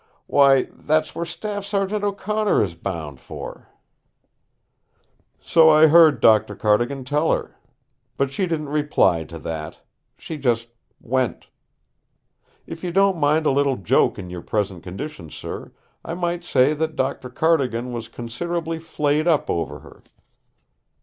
"Why, that's where Staff Sergeant O'Connor is bound for!" "So I heard Doctor Cardigan tell her. But she didn't reply to that. She just went. If you don't mind a little joke in your present condition, sir, I might say that Doctor Cardigan was considerably flayed up over her.